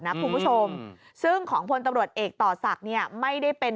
นะคุณผู้ชมซึ่งของพลตำรวจเอกต่อศักดิ์เนี่ยไม่ได้เป็น